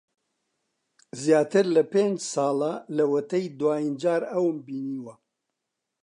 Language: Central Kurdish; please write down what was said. زیاتر لە پێنج ساڵە لەوەتەی دوایین جار ئەوم بینیوە.